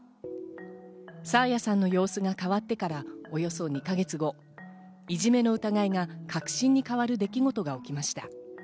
爽彩さんの様子が変わってからおよそ２か月後、いじめの疑いが確信に変わる出来事が起きました。